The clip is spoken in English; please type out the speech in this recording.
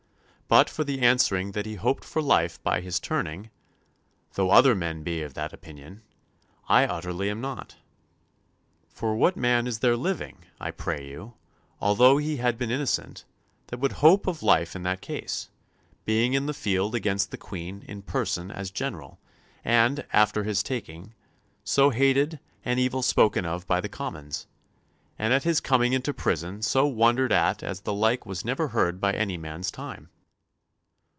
But for the answering that he hoped for life by his turning, though other men be of that opinion, I utterly am not. For what man is there living, I pray you, although he had been innocent, that would hope of life in that case; being in the field against the Queen in person as general, and, after his taking, so hated and evil spoken of by the commons? and at his coming into prison so wondered at as the like was never heard by any man's time?